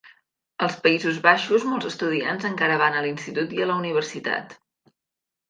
Als Països Baixos, molts estudiants encara van a l'institut i la universitat.